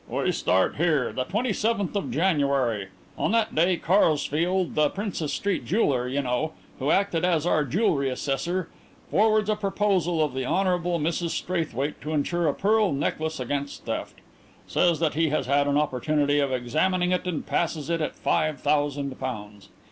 "We start here, the 27th of January. On that day Karsfeld, the Princess Street jeweller, y'know, who acted as our jewellery assessor, forwards a proposal of the Hon. Mrs Straithwaite to insure a pearl necklace against theft. Says that he has had an opportunity of examining it and passes it at five thousand pounds.